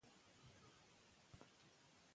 هغه کتاب د احمد لخوا لیکل سوی دی.